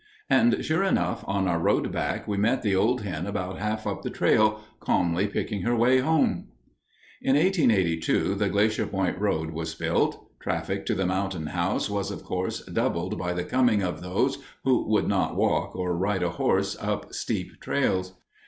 And, sure enough, on our road back we met the old hen about half up the trail, calmly picking her way home! In 1882, the Glacier Point road was built. Traffic to the Mountain House was, of course, doubled by the coming of those who would not walk or ride a horse up steep trails.